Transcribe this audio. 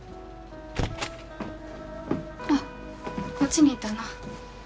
ああこっちにいたの。